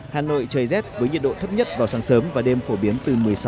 hà nội trời rét với nhiệt độ thấp nhất vào sáng sớm và đêm phổ biến từ một mươi sáu